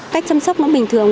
cách chăm sóc nó bình thường